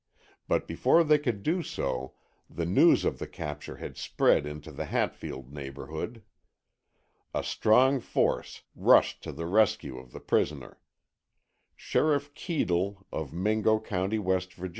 But before they could do so, the news of the capture had spread into the Hatfield neighborhood. A strong force rushed to the rescue of the prisoner. Sheriff Keadle of Mingo County, W. Va.